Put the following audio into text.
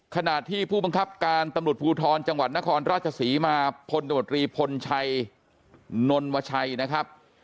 ขณะที่ผู้บังคับการตำรวจภูทรจังหวัดนครราชศรีมาพลตมตรีพลชัยนนวชัยนะครับ